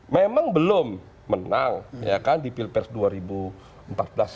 memang belum menang ya kan di pilpres dua ribu empat belas ini